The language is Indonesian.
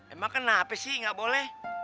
emang kenapa sih nggak boleh